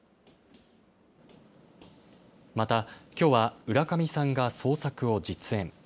またきょうは浦上さんが創作を実演。